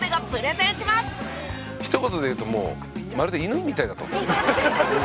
ひと言で言うともうまるで犬みたいだと。